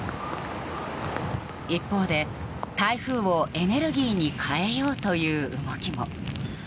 一方で、台風をエネルギーに変えようという動きも。